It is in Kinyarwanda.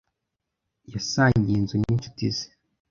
Yasangiye inzu ninshuti ze.